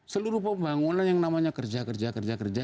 seluruh pembangunan yang namanya kerja kerja